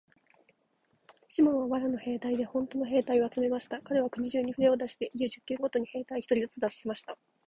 シモンは藁の兵隊でほんとの兵隊を集めました。かれは国中にふれを出して、家十軒ごとに兵隊一人ずつ出させました。